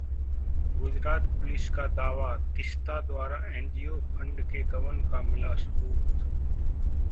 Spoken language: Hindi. गुजरात पुलिस का दावा, तीस्ता द्वारा एनजीओ फंड के गबन का मिला सबूत